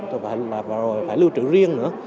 rồi lại phải lưu trữ riêng nữa